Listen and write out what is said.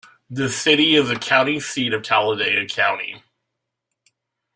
The city is the county seat of Talladega County.